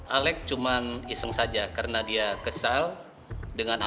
alec cuma iseng saja karena dia tidak tahu apa yang kita lakukan dengan dia